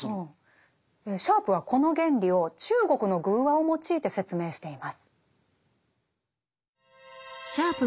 シャープはこの原理を中国の寓話を用いて説明しています。